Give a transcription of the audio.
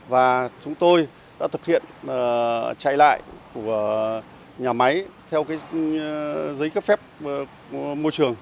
và chúng tôi đã thực hiện chạy lại của nhà máy theo giấy cấp phép môi trường